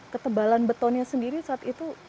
ketebalan betonnya sendiri saat itu